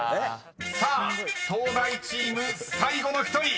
［さあ東大チーム最後の１人］